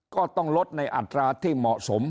ก็ต้องลดในอัตราที่เหมาะสม